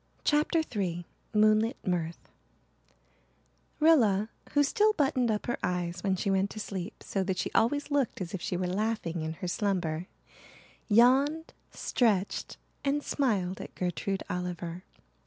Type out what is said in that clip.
CHAPTER III MOONLIT MIRTH Rilla, who still buttoned up her eyes when she went to sleep so that she always looked as if she were laughing in her slumber, yawned, stretched, and smiled at Gertrude Oliver.